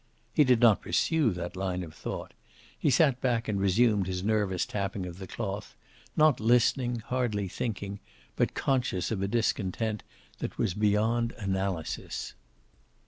He did not pursue that line of thought. He sat back and resumed his nervous tapping of the cloth, not listening, hardly thinking, but conscious of a discontent that was beyond analysis.